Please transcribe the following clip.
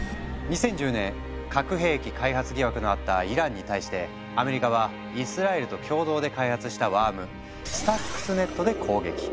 ２０１０年核兵器開発疑惑のあったイランに対してアメリカはイスラエルと共同で開発したワーム「スタックスネット」で攻撃。